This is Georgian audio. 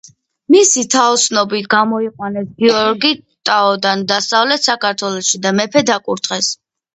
მისი თაოსნობით გამოიყვანეს გიორგი ტაოდან დასავლეთ საქართველოში და მეფედ აკურთხეს.